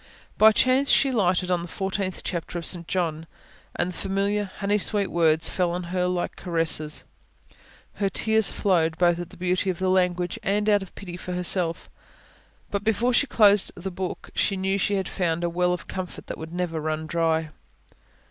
By chance she lighted on the Fourteenth Chapter of St John, and the familiar, honey sweet words fell on her heart like caresses. Her tears flowed; both at the beauty of the language and out of pity for herself; and before she closed the Book, she knew that she had found a well of comfort that would never run dry.